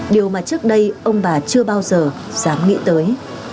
điều mà trước đây ông bà chưa bao giờ dám nghĩ tới